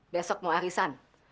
besok mau arisan